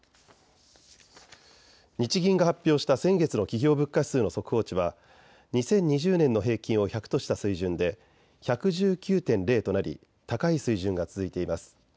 日銀が発表した先月の企業物価指数の速報値は２０２０年の平均を１００とした水準で１１９．０となり高い水準が続いています。